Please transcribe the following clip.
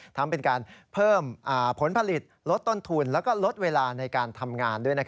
ทั้งเป็นการเพิ่มผลผลิตลดต้นทุนแล้วก็ลดเวลาในการทำงานด้วย